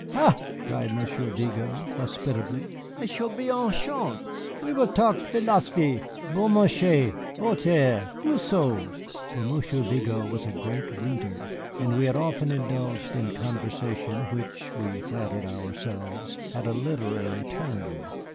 "Ha," cried Monsieur Vigo, hospitably, "I shall be enchant. We will talk philosophe, Beaumarchais, Voltaire, Rousseau." For Monsieur Vigo was a great reader, and we had often indulged in conversation which (we flattered ourselves) had a literary turn.